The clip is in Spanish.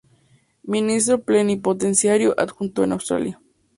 Ministro Plenipotenciario adjunto en Austria.